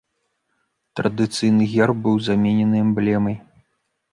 Традыцыйны герб быў заменены эмблемай.